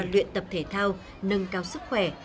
đuyện tập thể thao nâng cao sức khỏe